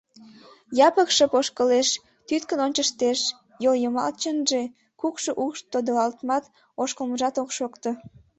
Якып шып ошкылеш, тӱткын ончыштеш, йол йымачынже кукшо укш тодылалтмат, ошкылмыжат ок шокто.